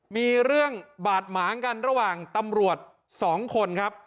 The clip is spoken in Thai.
มีเรื่องบาดหมางกันระหว่างตำรวจ๒คนครับ